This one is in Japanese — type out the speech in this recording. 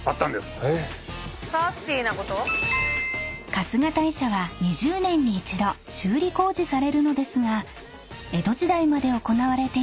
［春日大社は２０年に一度修理工事されるのですが江戸時代まで行われていたあるサスティな！